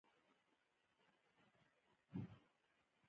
پریږده چې خلک خپل کارونه پخپله تنظیم کړي